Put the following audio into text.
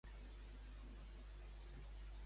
Què va passar en néixer Anios?